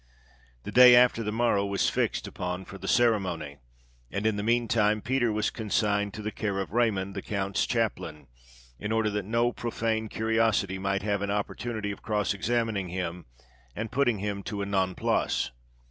The day after the morrow was fixed upon for the ceremony; and, in the mean time, Peter was consigned to the care of Raymond, the count's chaplain, in order that no profane curiosity might have an opportunity of cross examining him, and putting him to a nonplus.